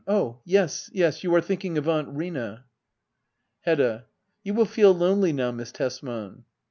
Oh yes, yes — ^you are thinking of Aunt Rina. Hbdda. You will feel lonely now. Miss Tesman.